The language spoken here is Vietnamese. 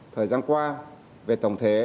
thời gian qua về tổng thể